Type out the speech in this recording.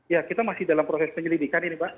ya kita masih dalam proses penyelidikan ini pak